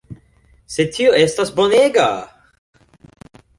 Sed tio estas bonega!